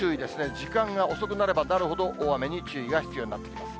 時間が遅くなればなるほど、大雨に注意が必要になってきます。